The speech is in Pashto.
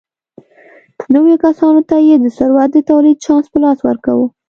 نویو کسانو ته یې د ثروت د تولید چانس په لاس ورکاوه.